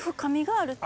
ある！